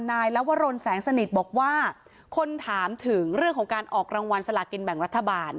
ลวรนแสงสนิทบอกว่าคนถามถึงเรื่องของการออกรางวัลสลากินแบ่งรัฐบาล